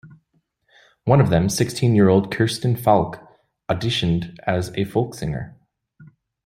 One of them, sixteen-year-old Kirsten Falke, auditioned as a folk singer.